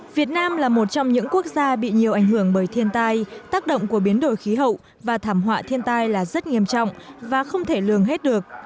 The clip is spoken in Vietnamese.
việt nam là một trong những quốc gia bị nhiều ảnh hưởng bởi thiên tai tác động của biến đổi khí hậu và thảm họa thiên tai là rất nghiêm trọng và không thể lường hết được